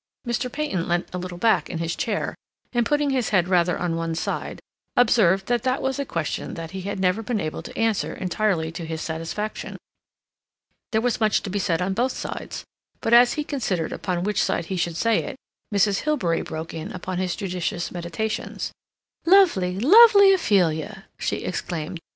Mr. Peyton leant a little back in his chair, and, putting his head rather on one side, observed that that was a question that he had never been able to answer entirely to his satisfaction. There was much to be said on both sides, but as he considered upon which side he should say it, Mrs. Hilbery broke in upon his judicious meditations. "Lovely, lovely Ophelia!" she exclaimed.